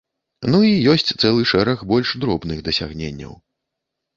Ну і ёсць цэлы шэраг больш дробных дасягненняў.